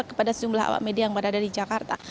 kepada sejumlah awak media yang berada di jakarta